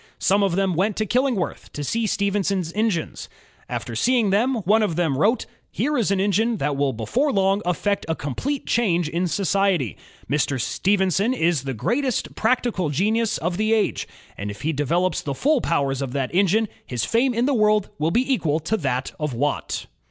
Some of them went to Killingworth to see Stephenson's engines. After seeing them, one of the men wrote: ''Here is an engine that will before long effect a complete change in society. Mr. Stephenson is the greatest practical genius of the age, and if he develops the full powers of that engine his fame in the world will be equal to that of Watt.''